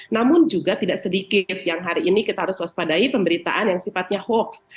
namun juga tidak sedikit yang hari ini kita harus waspadai pemberitaan yang sifatnya hoax